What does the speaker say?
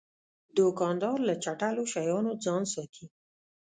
دوکاندار له چټلو شیانو ځان ساتي.